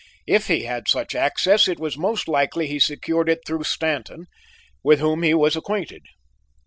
If he had such access it was most likely he secured it through Stanton, with whom he was acquainted.